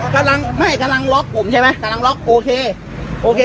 กำลังไม่กำลังล็อกผมใช่ไหมกำลังล็อกโอเคโอเค